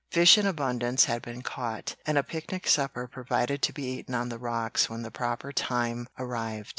Fish in abundance had been caught, and a picnic supper provided to be eaten on the rocks when the proper time arrived.